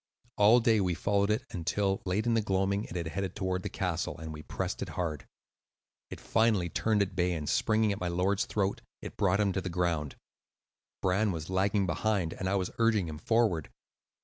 All day we followed it, until, late in the gloaming, it had headed toward the castle; and we pressed it hard. It finally turned at bay, and, springing at my lord's throat, it brought him to the ground. Bran was lagging behind, and I was urging him forward.